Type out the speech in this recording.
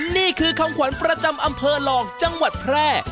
นี่คือคำขวัญประจำอำเภอลองจังหวัดแพร่